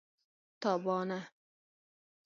تابانه